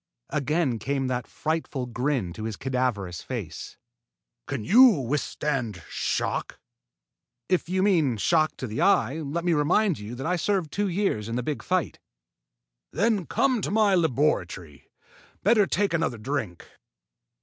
Again came that frightful grin to his cadaverous face. "Can you withstand shock?" "If you mean shock to the eye, let me remind you that I served two years in the big fight." "Then come to my laboratory. Better take another drink."